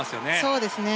そうですね。